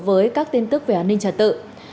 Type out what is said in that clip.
với các tin tức về an ninh trả tự